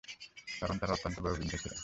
কারণ তারা অত্যন্ত বয়োবৃদ্ধ ছিলেন।